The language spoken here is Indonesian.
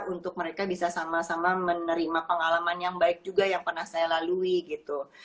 untuk mereka bisa sama sama menerima pengalaman yang baik juga yang pernah saya lalui gitu